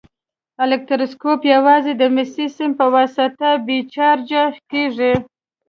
الکتروسکوپ یوازې د مسي سیم په واسطه بې چارجه کیږي.